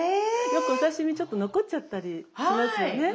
よくお刺身ちょっと残っちゃったりしますよね。